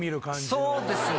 そうですね。